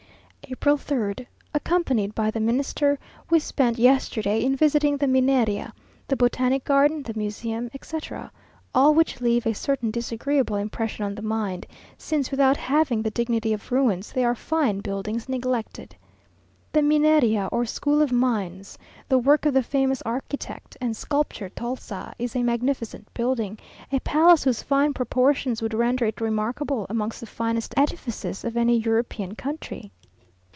April 3rd. Accompanied by the Minister, we spent yesterday in visiting the Mineria, the Botanic Garden, the Museum, etc., all which leave a certain disagreeable impression on the mind, since, without having the dignity of ruins, they are fine buildings neglected. The Mineria, or School of Mines, the work of the famous architect and sculptor Tolsa, is a magnificent building, a palace whose fine proportions would render it remarkable amongst the finest edifices of any European country.